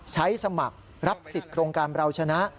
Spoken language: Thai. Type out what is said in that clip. สมัครรับสิทธิ์โครงการเราชนะ